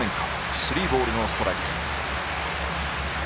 スリーボール、ノーストライク。